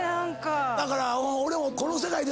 だから俺もこの世界で。